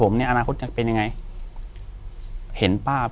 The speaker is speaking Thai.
อยู่ที่แม่ศรีวิรัยยิวยวลครับ